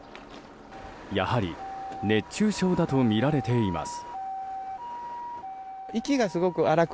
やはり熱中症だとみられています。